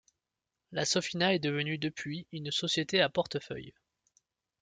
La Sofina est devenue depuis une société à portefeuille.